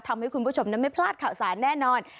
ทำให้คุณผู้ชมไม่พลาดข่าวสารแน่นอน